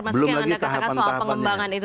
belum lagi tahapan tahapan